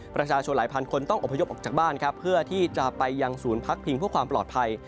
ประชาชนหลายพันคนต้องอพยพออกจากบ้านครับเพื่อที่จะไปยังศูนย์พักพิงเพื่อความปลอดภัย